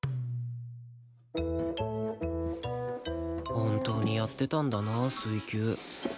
本当にやってたんだな水球